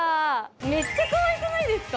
めっちゃかわいくないですか。